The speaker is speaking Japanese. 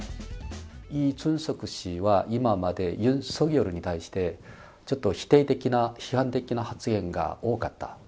イ・ジュンソク氏は、今までユン・ソギョルに対して、ちょっと否定的な、批判的な発言が多かった。